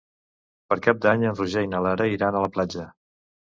Per Cap d'Any en Roger i na Lara iran a la platja.